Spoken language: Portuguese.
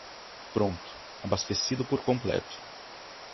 Pronto, abastecido por completo.